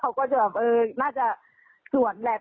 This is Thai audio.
เขาก็จะแบบเออน่าจะสวดแหละ